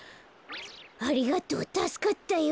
ありがとうたすかったよ。